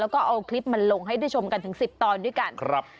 เดี๋ยวชมกันถึงสิบตอนด้วยกันครับ